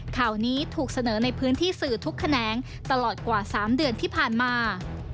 ข่าวนี้ถูกเสนอในพื้นที่สื่อทุกแขนงตลอดกว่า๓เดือนที่ผ่านมา